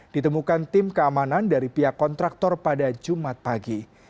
ditemukan tim keamanan dari pihak kontraktor pada jumat pagi